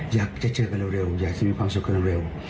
อยากจะเจอกันเร็วอยากจะมีความสุขกันเร็ว